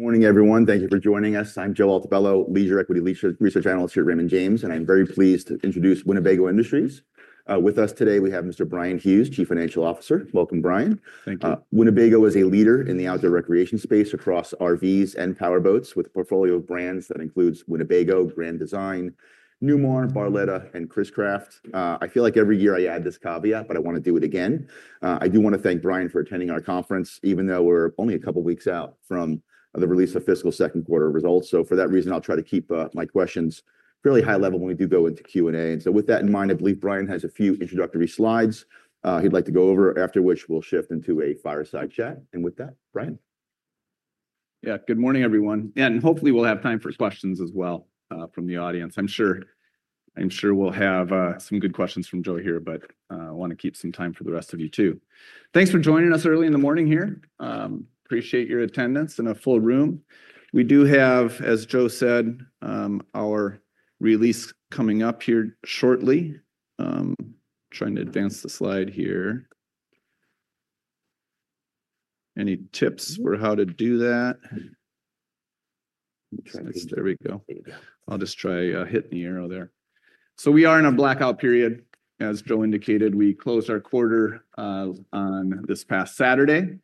Morning, everyone. Thank you for joining us. I'm Joe Altobello, Leisure Equity Research Analyst here at Raymond James, and I'm very pleased to introduce Winnebago Industries. With us today, we have Mr. Brian Hughes, Chief Financial Officer. Welcome, Brian. Thank you. Winnebago is a leader in the outdoor recreation space across RVs and power boats, with a portfolio of brands that includes Winnebago, Grand Design, Newmar, Barletta, and Chris-Craft. I feel like every year I add this caveat, but I want to do it again. I do want to thank Brian for attending our conference, even though we're only a couple of weeks out from the release of fiscal second quarter results. For that reason, I'll try to keep my questions fairly high level when we do go into Q&A. With that in mind, I believe Brian has a few introductory slides he'd like to go over, after which we'll shift into a fireside chat. With that, Brian. Yeah, good morning, everyone. Hopefully we'll have time for questions as well from the audience. I'm sure we'll have some good questions from Joe here, but I want to keep some time for the rest of you too. Thanks for joining us early in the morning here. Appreciate your attendance in a full room. We do have, as Joe said, our release coming up here shortly. Trying to advance the slide here. Any tips for how to do that? There we go. I'll just try hitting the arrow there. We are in a blackout period. As Joe indicated, we closed our quarter on this past Saturday.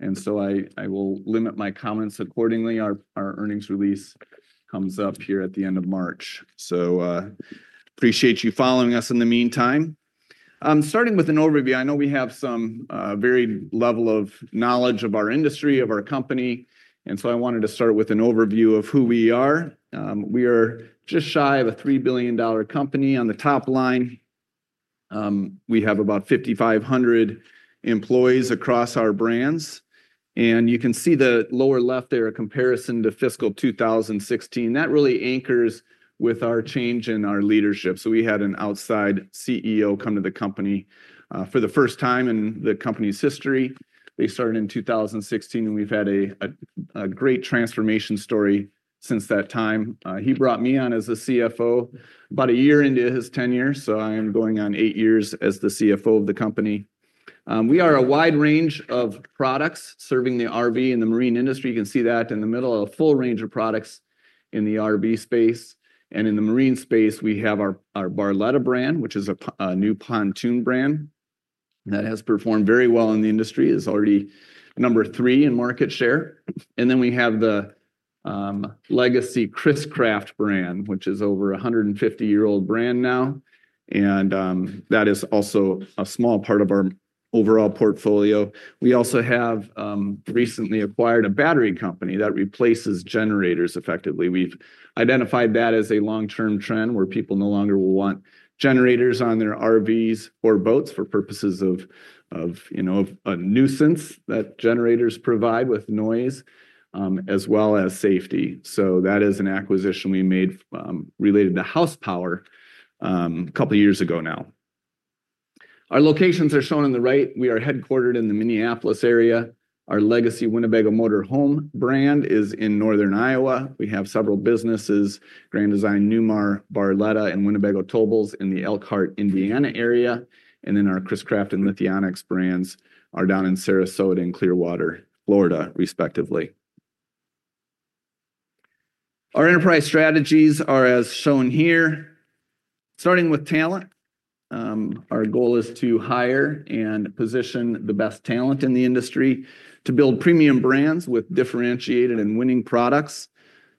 I will limit my comments accordingly. Our earnings release comes up here at the end of March. Appreciate you following us in the meantime. Starting with an overview, I know we have some varied level of knowledge of our industry, of our company. I wanted to start with an overview of who we are. We are just shy of a $3 billion company. On the top line, we have about 5,500 employees across our brands. You can see the lower left there a comparison to fiscal 2016. That really anchors with our change in our leadership. We had an outside CEO come to the company for the first time in the company's history. They started in 2016, and we've had a great transformation story since that time. He brought me on as CFO about a year into his tenure. I am going on eight years as the CFO of the company. We are a wide range of products serving the RV and the marine industry. You can see that in the middle of a full range of products in the RV space. In the marine space, we have our Barletta brand, which is a new pontoon brand that has performed very well in the industry. It is already number three in market share. We have the legacy Chris-Craft brand, which is over a 150-year-old brand now. That is also a small part of our overall portfolio. We also have recently acquired a battery company that replaces generators effectively. We have identified that as a long-term trend where people no longer will want generators on their RVs or boats for purposes of, you know, a nuisance that generators provide with noise, as well as safety. That is an acquisition we made related to house power a couple of years ago now. Our locations are shown on the right. We are headquartered in the Minneapolis area. Our legacy Winnebago Motor Home brand is in Northern Iowa. We have several businesses: Grand Design, Newmar, Barletta, and Winnebago Towables in the Elkhart, Indiana area. Our Chris-Craft and Lithionics brands are down in Sarasota and Clearwater, Florida, respectively. Our enterprise strategies are as shown here. Starting with talent, our goal is to hire and position the best talent in the industry to build premium brands with differentiated and winning products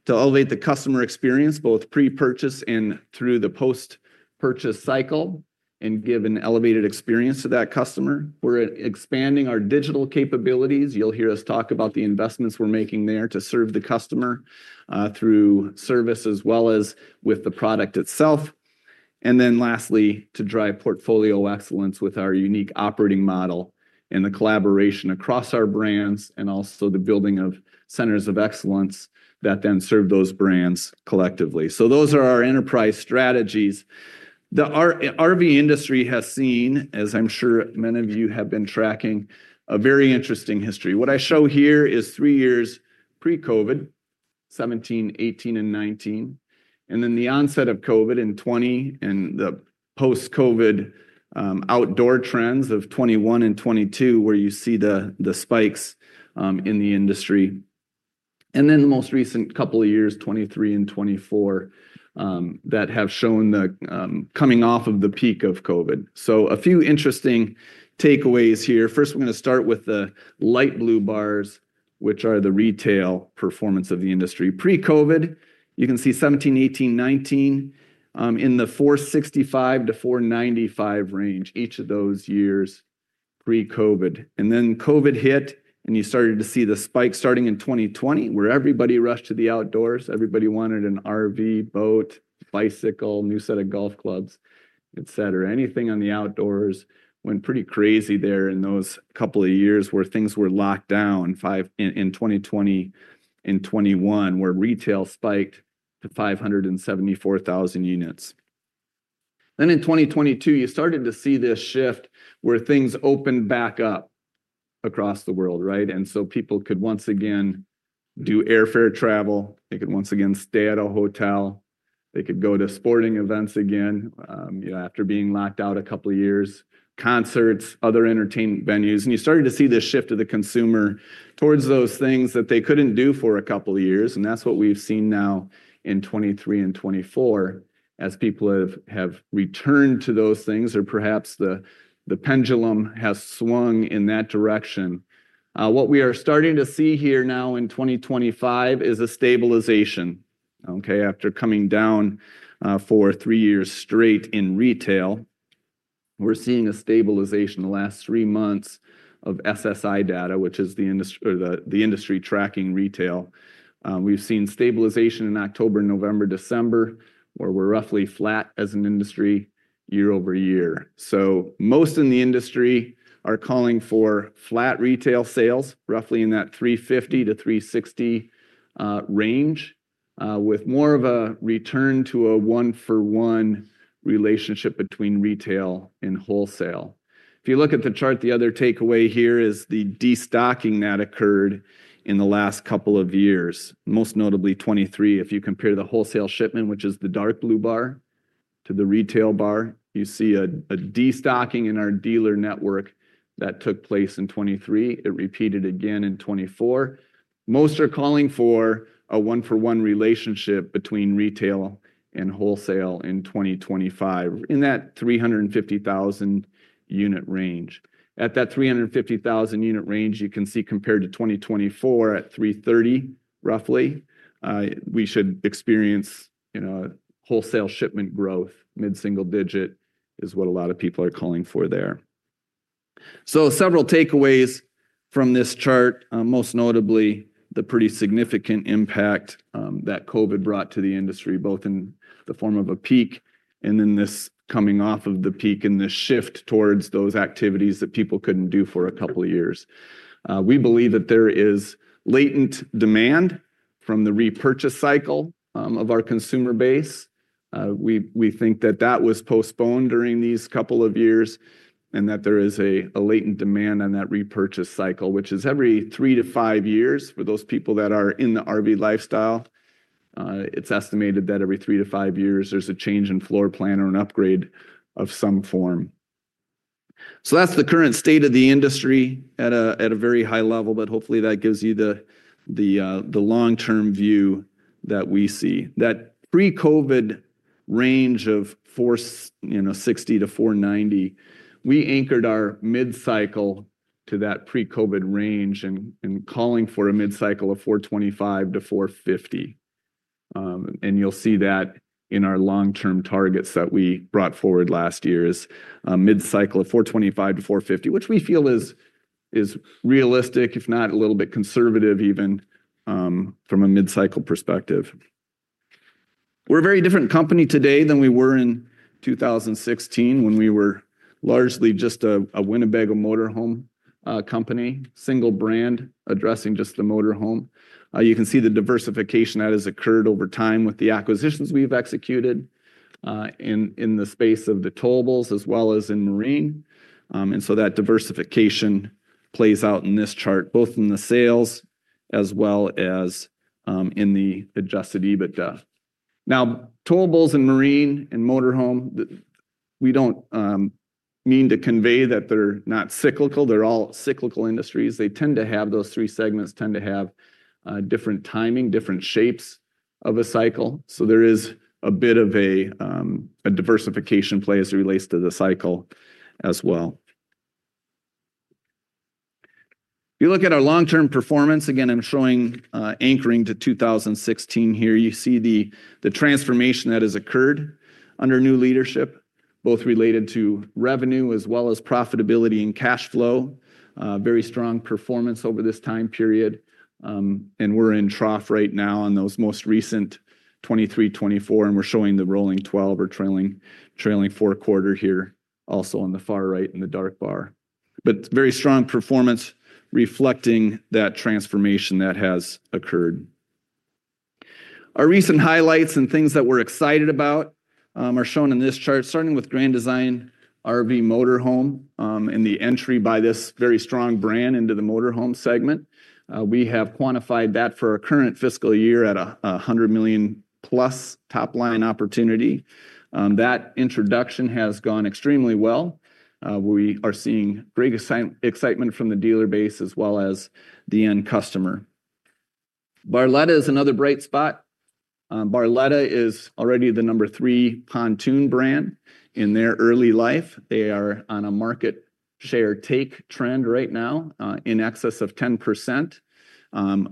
to elevate the customer experience both pre-purchase and through the post-purchase cycle and give an elevated experience to that customer. We are expanding our digital capabilities. You'll hear us talk about the investments we're making there to serve the customer through service as well as with the product itself. Lastly, to drive portfolio excellence with our unique operating model and the collaboration across our brands and also the building of centers of excellence that then serve those brands collectively. Those are our enterprise strategies. The RV industry has seen, as I'm sure many of you have been tracking, a very interesting history. What I show here is three years pre-COVID: 2017, 2018, and 2019. The onset of COVID in 2020 and the post-COVID outdoor trends of 2021 and 2022, where you see the spikes in the industry. The most recent couple of years, 2023 and 2024, have shown the coming off of the peak of COVID. A few interesting takeaways here. First, we're going to start with the light blue bars, which are the retail performance of the industry. Pre-COVID, you can see 2017, 2018, 2019 in the $465,000 to $495,000 range each of those years pre-COVID. COVID hit, and you started to see the spike starting in 2020, where everybody rushed to the outdoors. Everybody wanted an RV, boat, bicycle, new set of golf clubs, et cetera. Anything on the outdoors went pretty crazy there in those couple of years where things were locked down in 2020 and 2021, where retail spiked to 574,000 units. In 2022, you started to see this shift where things opened back up across the world, right? People could once again do airfare travel. They could once again stay at a hotel. They could go to sporting events again, you know, after being locked out a couple of years, concerts, other entertainment venues. You started to see this shift of the consumer towards those things that they could not do for a couple of years. That is what we have seen now in 2023 and 2024 as people have returned to those things, or perhaps the pendulum has swung in that direction. What we are starting to see here now in 2025 is a stabilization, okay, after coming down for three years straight in retail. We are seeing a stabilization in the last three months of SSI data, which is the industry tracking retail. We have seen stabilization in October, November, December, where we are roughly flat as an industry year-over-year. Most in the industry are calling for flat retail sales, roughly in that $350,000-$360,000 range, with more of a return to a one-for-one relationship between retail and wholesale. If you look at the chart, the other takeaway here is the destocking that occurred in the last couple of years, most notably 2023. If you compare the wholesale shipment, which is the dark blue bar, to the retail bar, you see a destocking in our dealer network that took place in 2023. It repeated again in 2024. Most are calling for a one-for-one relationship between retail and wholesale in 2025 in that $350,000 unit range. At that $350,000 unit range, you can see compared to 2024 at $330,000, roughly, we should experience, wholesale shipment growth, mid-single digit is what a lot of people are calling for there. Several takeaways from this chart, most notably the pretty significant impact that COVID brought to the industry, both in the form of a peak and then this coming off of the peak and the shift towards those activities that people could not do for a couple of years. We believe that there is latent demand from the repurchase cycle of our consumer base. We think that that was postponed during these couple of years and that there is a latent demand on that repurchase cycle, which is every three to five years for those people that are in the RV lifestyle. It is estimated that every three to five years there is a change in floor plan or an upgrade of some form. That is the current state of the industry at a very high level, but hopefully that gives you the long-term view that we see. That pre-COVID range of $460-$490, we anchored our mid-cycle to that pre-COVID range and calling for a mid-cycle of $425-$450. You will see that in our long-term targets that we brought forward last year is a mid-cycle of $425-$450, which we feel is realistic, if not a little bit conservative even, from a mid-cycle perspective. We are a very different company today than we were in 2016 when we were largely just a Winnebago Motor Home company, single brand addressing just the motor home. You can see the diversification that has occurred over time with the acquisitions we have executed in the space of the towables as well as in marine. That diversification plays out in this chart, both in the sales as well as in the adjusted EBITDA. Now, towables and marine and motor home, we don't mean to convey that they're not cyclical. They're all cyclical industries. They tend to have those three segments tend to have different timing, different shapes of a cycle. There is a bit of a diversification play as it relates to the cycle as well. If you look at our long-term performance, again, I'm showing anchoring to 2016 here. You see the transformation that has occurred under new leadership, both related to revenue as well as profitability and cash flow, very strong performance over this time period. We're in trough right now on those most recent 2023, 2024, and we're showing the rolling 12 or trailing four quarter here also on the far right in the dark bar. Very strong performance reflecting that transformation that has occurred. Our recent highlights and things that we're excited about are shown in this chart, starting with Grand Design RV Motor Home and the entry by this very strong brand into the motor home segment. We have quantified that for our current fiscal year at a $100 million plus top line opportunity. That introduction has gone extremely well. We are seeing great excitement from the dealer base as well as the end customer. Barletta is another bright spot. Barletta is already the number three pontoon brand in their early life. They are on a market share take trend right now in excess of 10%.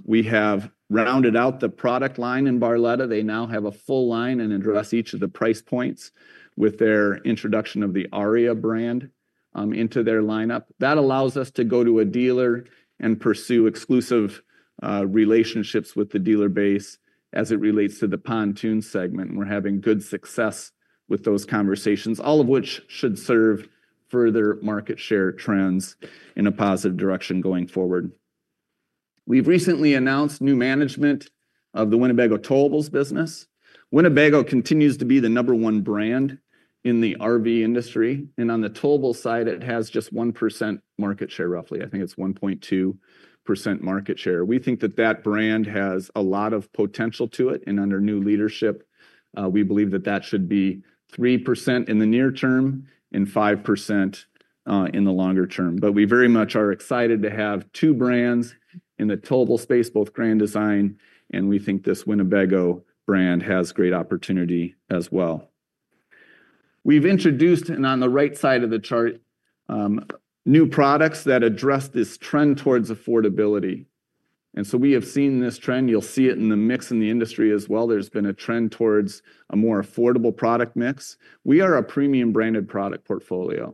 We have rounded out the product line in Barletta. They now have a full line and address each of the price points with their introduction of the Aria brand into their lineup. That allows us to go to a dealer and pursue exclusive relationships with the dealer base as it relates to the pontoon segment. We're having good success with those conversations, all of which should serve further market share trends in a positive direction going forward. We've recently announced new management of the Winnebago Towables business. Winnebago continues to be the number one brand in the RV industry. On the towable side, it has just 1% market share, roughly. I think it's 1.2% market share. We think that that brand has a lot of potential to it. Under new leadership, we believe that that should be 3% in the near term and 5% in the longer term. We very much are excited to have two brands in the towable space, both Grand Design and we think this Winnebago brand has great opportunity as well. We've introduced, and on the right side of the chart, new products that address this trend towards affordability. We have seen this trend. You'll see it in the mix in the industry as well. There's been a trend towards a more affordable product mix. We are a premium branded product portfolio.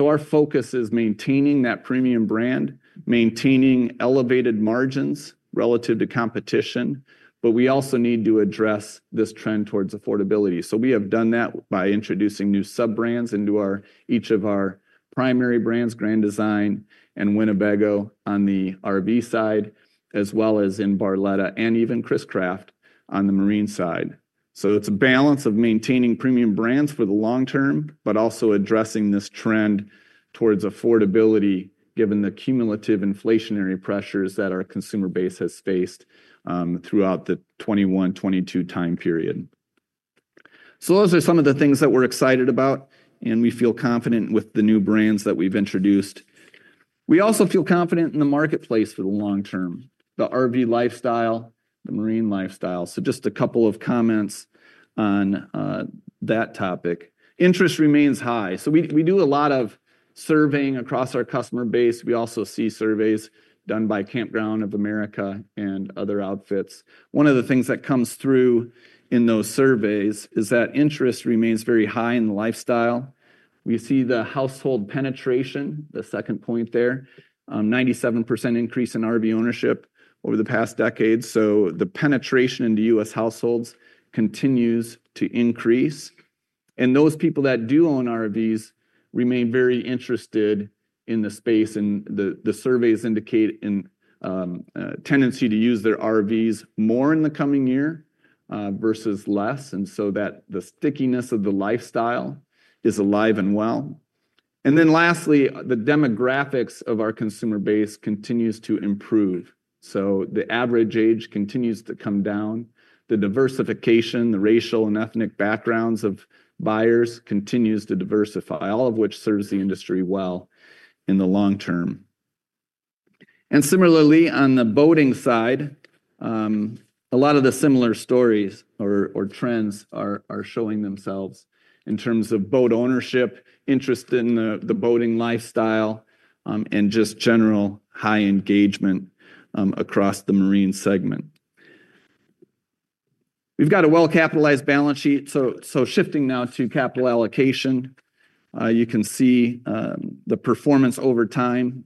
Our focus is maintaining that premium brand, maintaining elevated margins relative to competition, but we also need to address this trend towards affordability. We have done that by introducing new sub-brands into each of our primary brands, Grand Design and Winnebago on the RV side, as well as in Barletta and even Chris-Craft on the marine side. It is a balance of maintaining premium brands for the long term, but also addressing this trend towards affordability given the cumulative inflationary pressures that our consumer base has faced throughout the 2021, 2022 time period. Those are some of the things that we're excited about, and we feel confident with the new brands that we've introduced. We also feel confident in the marketplace for the long term, the RV lifestyle, the marine lifestyle. Just a couple of comments on that topic. Interest remains high. We do a lot of surveying across our customer base. We also see surveys done by Kampgrounds of America and other outfits. One of the things that comes through in those surveys is that interest remains very high in the lifestyle. We see the household penetration, the second point there, 97% increase in RV ownership over the past decade. The penetration into U.S. households continues to increase. Those people that do own RVs remain very interested in the space, and the surveys indicate a tendency to use their RVs more in the coming year versus less, and the stickiness of the lifestyle is alive and well. Lastly, the demographics of our consumer base continues to improve. The average age continues to come down. The diversification, the racial and ethnic backgrounds of buyers continues to diversify, all of which serves the industry well in the long term. Similarly, on the boating side, a lot of the similar stories or trends are showing themselves in terms of boat ownership, interest in the boating lifestyle, and just general high engagement across the marine segment. We've got a well-capitalized balance sheet. Shifting now to capital allocation, you can see the performance over time.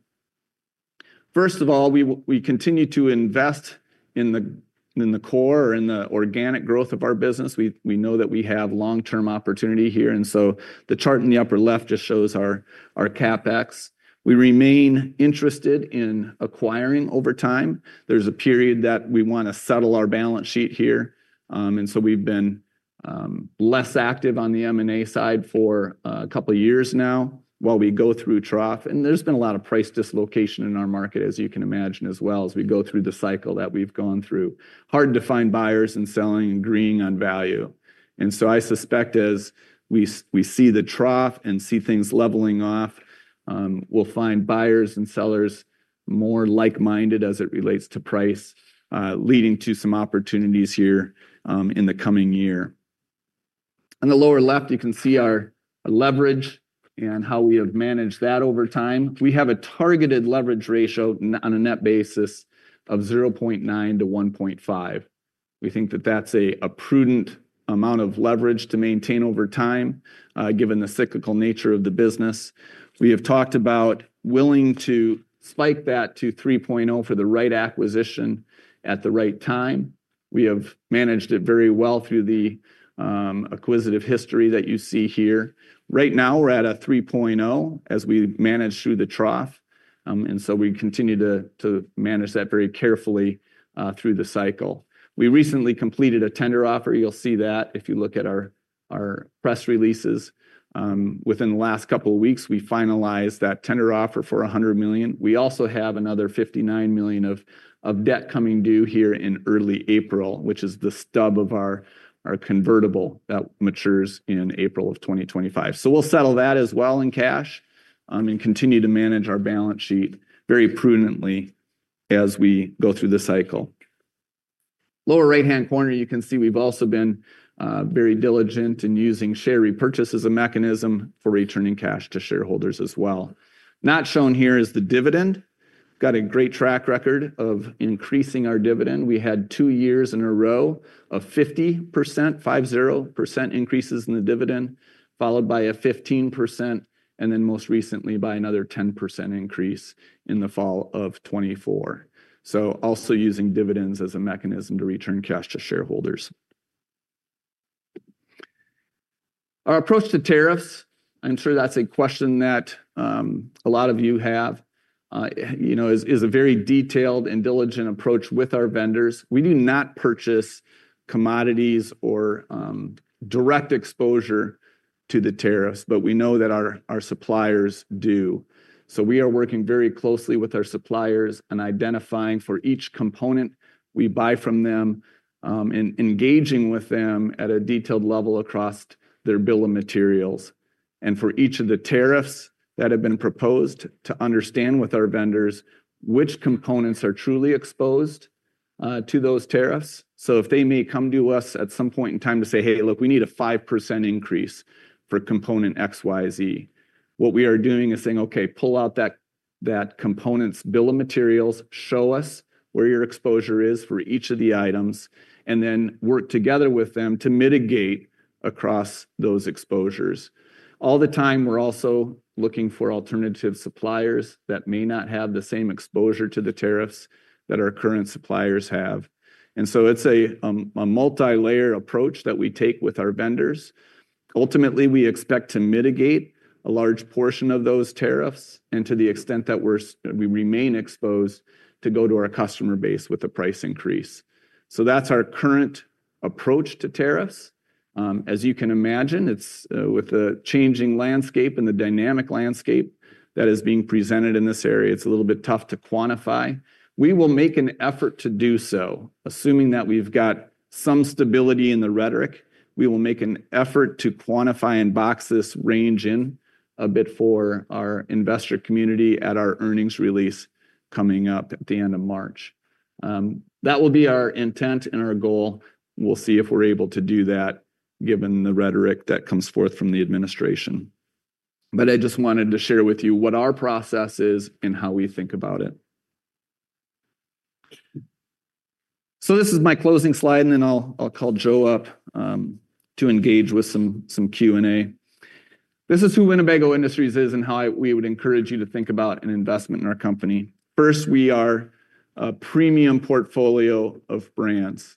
First of all, we continue to invest in the core or in the organic growth of our business. We know that we have long-term opportunity here. The chart in the upper left just shows our CapEx. We remain interested in acquiring over time. There is a period that we want to settle our balance sheet here. We have been less active on the M&A side for a couple of years now while we go through trough. There has been a lot of price dislocation in our market, as you can imagine, as we go through the cycle that we have gone through. Hard to find buyers and selling and agreeing on value. I suspect as we see the trough and see things leveling off, we will find buyers and sellers more like-minded as it relates to price, leading to some opportunities here in the coming year. On the lower left, you can see our leverage and how we have managed that over time. We have a targeted leverage ratio on a net basis of 0.9-1.5. We think that that's a prudent amount of leverage to maintain over time, given the cyclical nature of the business. We have talked about willing to spike that to 3.0 for the right acquisition at the right time. We have managed it very well through the acquisitive history that you see here. Right now, we're at a 3.0 as we manage through the trough. We continue to manage that very carefully through the cycle. We recently completed a tender offer. You'll see that if you look at our press releases. Within the last couple of weeks, we finalized that tender offer for $100 million. We also have another $59 million of debt coming due here in early April, which is the stub of our convertible that matures in April of 2025. We will settle that as well in cash and continue to manage our balance sheet very prudently as we go through the cycle. Lower right-hand corner, you can see we have also been very diligent in using share repurchase as a mechanism for returning cash to shareholders as well. Not shown here is the dividend. We have got a great track record of increasing our dividend. We had two years in a row of 50% increases in the dividend, followed by a 15%, and then most recently by another 10% increase in the fall of 2024. We are also using dividends as a mechanism to return cash to shareholders. Our approach to tariffs, I'm sure that's a question that a lot of you have, you know, is a very detailed and diligent approach with our vendors. We do not purchase commodities or direct exposure to the tariffs, but we know that our suppliers do. We are working very closely with our suppliers and identifying for each component we buy from them and engaging with them at a detailed level across their bill of materials. For each of the tariffs that have been proposed, to understand with our vendors which components are truly exposed to those tariffs. If they may come to us at some point in time to say, "Hey, look, we need a 5% increase for component X, Y, Z." What we are doing is saying, "Okay, pull out that component's bill of materials, show us where your exposure is for each of the items, and then work together with them to mitigate across those exposures." All the time, we're also looking for alternative suppliers that may not have the same exposure to the tariffs that our current suppliers have. It is a multi-layer approach that we take with our vendors. Ultimately, we expect to mitigate a large portion of those tariffs and to the extent that we remain exposed to go to our customer base with a price increase. That is our current approach to tariffs. As you can imagine, with the changing landscape and the dynamic landscape that is being presented in this area, it's a little bit tough to quantify. We will make an effort to do so, assuming that we've got some stability in the rhetoric. We will make an effort to quantify and box this range in a bit for our investor community at our earnings release coming up at the end of March. That will be our intent and our goal. We'll see if we're able to do that given the rhetoric that comes forth from the administration. I just wanted to share with you what our process is and how we think about it. This is my closing slide, and then I'll call Joe up to engage with some Q&A. This is who Winnebago Industries is and how we would encourage you to think about an investment in our company. First, we are a premium portfolio of brands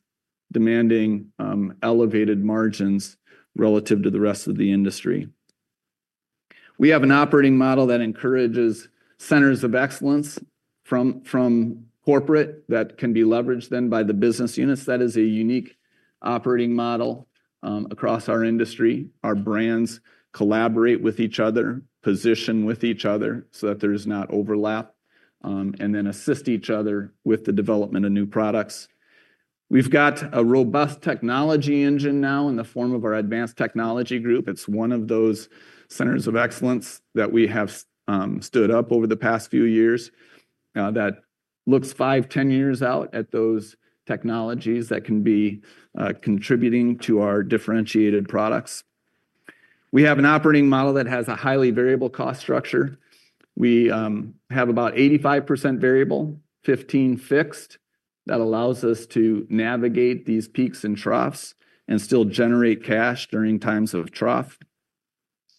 demanding elevated margins relative to the rest of the industry. We have an operating model that encourages centers of excellence from corporate that can be leveraged then by the business units. That is a unique operating model across our industry. Our brands collaborate with each other, position with each other so that there is not overlap, and then assist each other with the development of new products. We've got a robust technology engine now in the form of our Advanced Technology Group. It's one of those centers of excellence that we have stood up over the past few years that looks 5, 10 years out at those technologies that can be contributing to our differentiated products. We have an operating model that has a highly variable cost structure. We have about 85% variable, 15% fixed. That allows us to navigate these peaks and troughs and still generate cash during times of trough.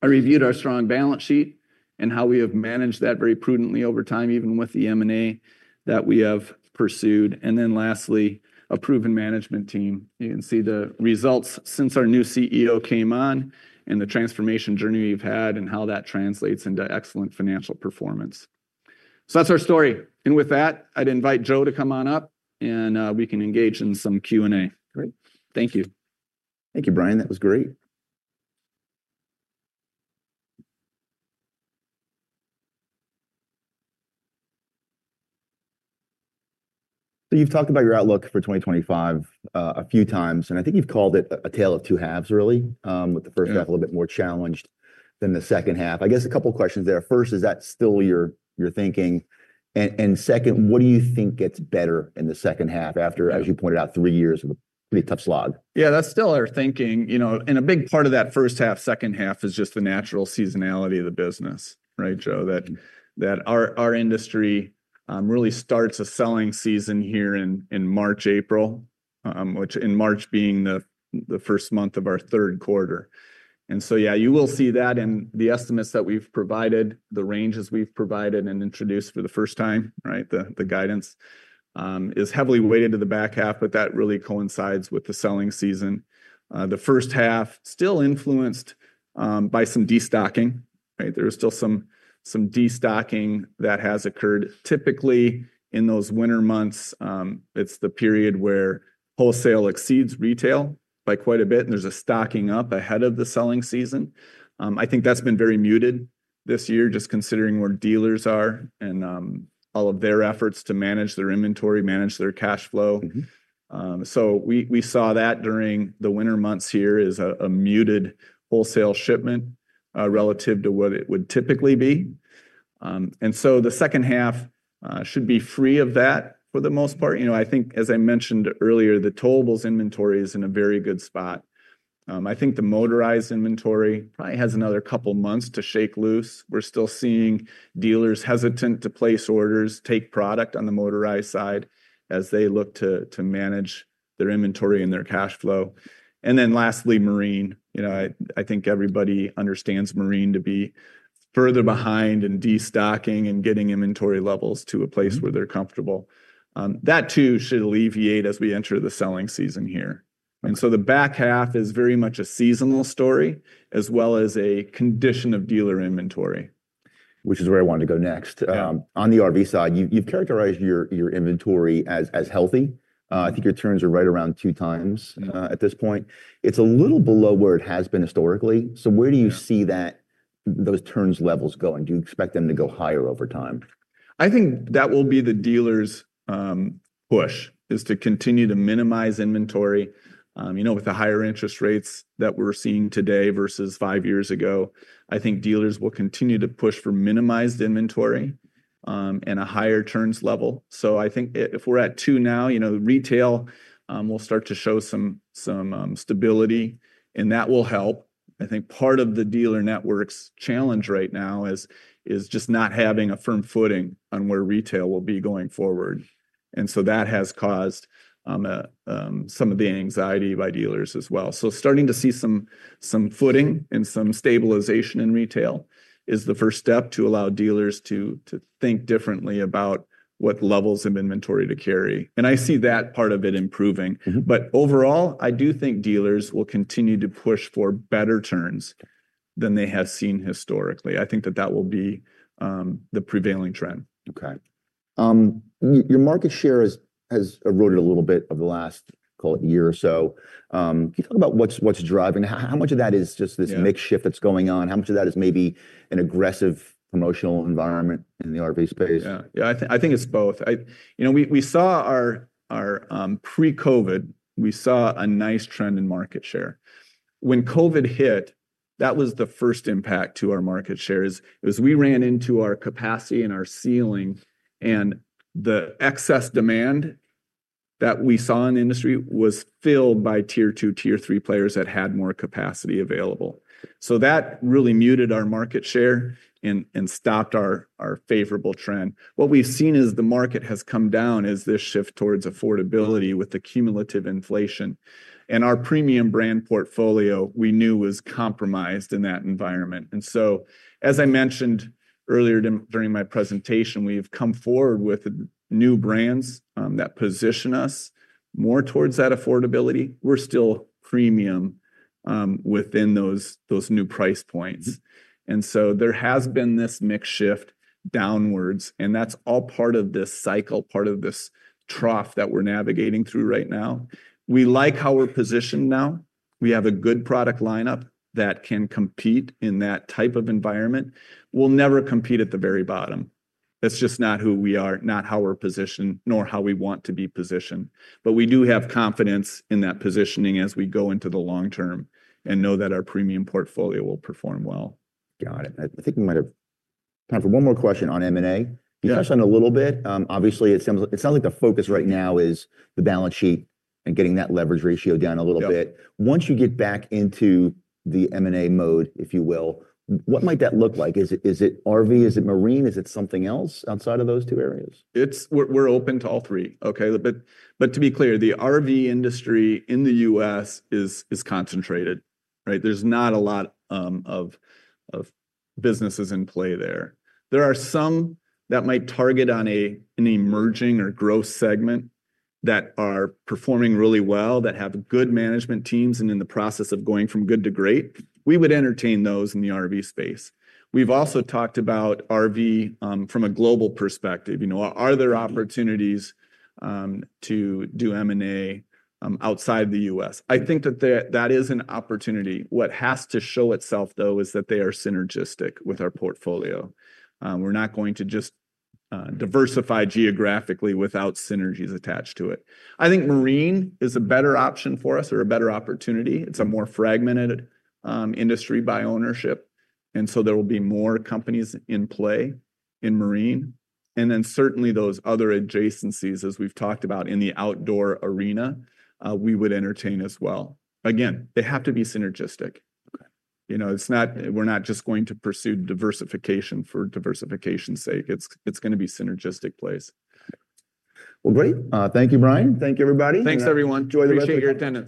I reviewed our strong balance sheet and how we have managed that very prudently over time, even with the M&A that we have pursued. Lastly, a proven management team. You can see the results since our new CEO came on and the transformation journey we have had and how that translates into excellent financial performance. That is our story. With that, I would invite Joe to come on up and we can engage in some Q&A. Great. Thank you. Thank you, Brian. That was great. You have talked about your outlook for 2025 a few times, and I think you have called it a tale of two halves, really, with the first half a little bit more challenged than the second half. I guess a couple of questions there. First, is that still your thinking? And second, what do you think gets better in the second half after, as you pointed out, three years of a pretty tough slog? Yeah, that is still our thinking. You know, and a big part of that first half, second half is just the natural seasonality of the business, right, Joe? That our industry really starts a selling season here in March, April, with March being the first month of our third quarter. And so, yeah, you will see that in the estimates that we have provided, the ranges we have provided and introduced for the first time, right? The guidance is heavily weighted to the back half, but that really coincides with the selling season. The first half still influenced by some destocking, right? There is still some destocking that has occurred. Typically, in those winter months, it is the period where wholesale exceeds retail by quite a bit, and there is a stocking up ahead of the selling season. I think that has been very muted this year, just considering where dealers are and all of their efforts to manage their inventory, manage their cash flow. You know, we saw that during the winter months here as a muted wholesale shipment relative to what it would typically be. The second half should be free of that for the most part. You know, I think, as I mentioned earlier, the towables inventory is in a very good spot. I think the motorized inventory probably has another couple of months to shake loose. We're still seeing dealers hesitant to place orders, take product on the motorized side as they look to manage their inventory and their cash flow. Lastly, marine. You know, I think everybody understands marine to be further behind in destocking and getting inventory levels to a place where they're comfortable. That too should alleviate as we enter the selling season here. The back half is very much a seasonal story as well as a condition of dealer inventory. Which is where I wanted to go next. On the RV side, you've characterized your inventory as healthy. I think your turns are right around two times at this point. It's a little below where it has been historically. Where do you see those turns levels going? Do you expect them to go higher over time? I think that will be the dealers' push, is to continue to minimize inventory. You know, with the higher interest rates that we're seeing today versus five years ago, I think dealers will continue to push for minimized inventory and a higher turns level. I think if we're at two now, you know, retail will start to show some stability, and that will help. I think part of the dealer network's challenge right now is just not having a firm footing on where retail will be going forward. That has caused some of the anxiety by dealers as well. Starting to see some footing and some stabilization in retail is the first step to allow dealers to think differently about what levels of inventory to carry. I see that part of it improving. Overall, I do think dealers will continue to push for better turns than they have seen historically. I think that that will be the prevailing trend. Okay. Your market share has eroded a little bit over the last, call it, year or so. Can you talk about what's driving? How much of that is just this makeshift that's going on? How much of that is maybe an aggressive promotional environment in the RV space? Yeah, I think it's both. You know, we saw our pre-COVID, we saw a nice trend in market share. When COVID hit, that was the first impact to our market share as we ran into our capacity and our ceiling, and the excess demand that we saw in the industry was filled by tier two, tier three players that had more capacity available. That really muted our market share and stopped our favorable trend. What we've seen as the market has come down is this shift towards affordability with the cumulative inflation. Our premium brand portfolio, we knew, was compromised in that environment. As I mentioned earlier during my presentation, we have come forward with new brands that position us more towards that affordability. We're still premium within those new price points. There has been this makeshift downwards, and that's all part of this cycle, part of this trough that we're navigating through right now. We like how we're positioned now. We have a good product lineup that can compete in that type of environment. We'll never compete at the very bottom. That's just not who we are, not how we're positioned, nor how we want to be positioned. We do have confidence in that positioning as we go into the long term and know that our premium portfolio will perform well. Got it. I think we might have time for one more question on M&A. You touched on it a little bit. Obviously, it sounds like the focus right now is the balance sheet and getting that leverage ratio down a little bit. Once you get back into the M&A mode, if you will, what might that look like? Is it RV? Is it marine? Is it something else outside of those two areas? We're open to all three, okay? To be clear, the RV industry in the U.S. is concentrated, right? There's not a lot of businesses in play there. There are some that might target on an emerging or growth segment that are performing really well, that have good management teams and in the process of going from good to great. We would entertain those in the RV space. We've also talked about RV from a global perspective. You know, are there opportunities to do M&A outside the U.S.? I think that that is an opportunity. What has to show itself, though, is that they are synergistic with our portfolio. We're not going to just diversify geographically without synergies attached to it. I think marine is a better option for us or a better opportunity. It's a more fragmented industry by ownership. There will be more companies in play in marine. Certainly those other adjacencies, as we've talked about in the outdoor arena, we would entertain as well. Again, they have to be synergistic. It's not we're not just going to pursue diversification for diversification's sake. It's going to be a synergistic place. Great. Thank you, Brian. Thank you, everybody. Enjoy the rest of your.